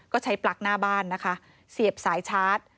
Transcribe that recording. ก็ใช้ปลั๊กหน้าบ้านนะคะเสียบสายชาร์จ